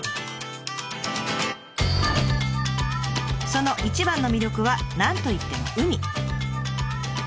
その一番の魅力は何といっても海。